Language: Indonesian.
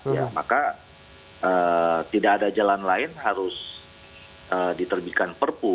ya maka tidak ada jalan lain harus diterbitkan perpu